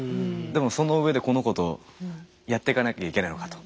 でもそのうえでこの子とやってかなきゃいけないのかと。